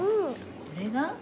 これが？